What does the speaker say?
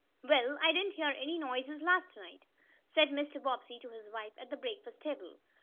"Well, I didn't hear any noises last night," said Mr. Bobbsey to his wife at the breakfast table.